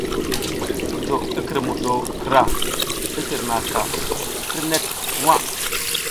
Jo i kǝrmuɗo krah i tǝrnaʼaka kǝrnek nwa.